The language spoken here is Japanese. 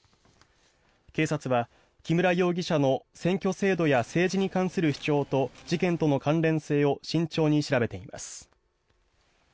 警察は木村容疑者の選挙制度や政治に関する主張と事件との関連性を慎重に調べています。